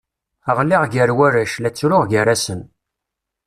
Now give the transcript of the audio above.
Ɣliɣ gar warrac, la ttruɣ gar-asen.